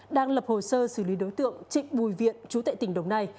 đang lập hồ sơ xử lý đối tượng trịnh bùi viện chú tệ tỉnh đồng nai